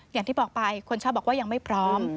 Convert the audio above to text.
อย่างที่บอกไปคนชอบบอกว่ายังไม่พร้อม